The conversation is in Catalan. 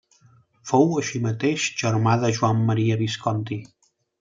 Fou, així mateix, germà de Joan Maria Visconti.